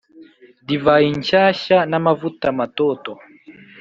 divayi nshyashya n’amavuta matoto;